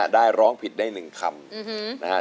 ได้ร้องผิดได้๑คำ